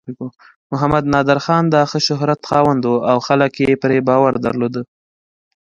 محمد نادر خان د ښه شهرت خاوند و او خلک یې پرې باور درلود.